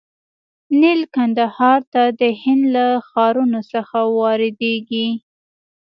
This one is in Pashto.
نیل کندهار ته د هند له ښارونو څخه واردیږي.